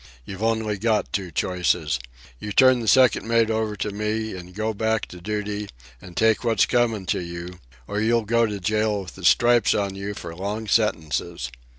You've only got two choices. You'll turn the second mate over to me an' go back to duty and take what's comin' to you, or you'll go to jail with the stripes on you for long sentences.